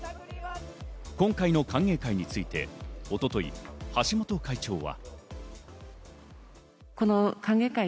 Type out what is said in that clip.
今回の歓迎会について、一昨日、橋本会長は。